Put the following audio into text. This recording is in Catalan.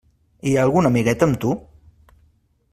Hi ha algun amiguet amb tu?